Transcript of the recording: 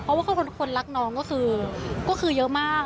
เพราะว่าคนรักน้องก็คือเยอะมาก